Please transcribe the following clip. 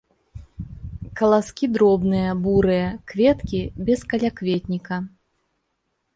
Каласкі дробныя, бурыя, кветкі без калякветніка.